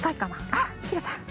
あっきれた。